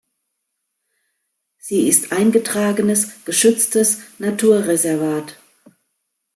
Sie ist eingetragenes geschütztes Naturreservat.